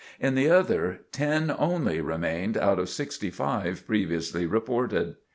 In the other, ten only remained out of 65 previously reported.